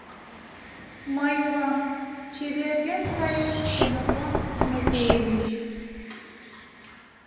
— Мый улам... — чеверген кайыш Ксенофонт Тимофеевич.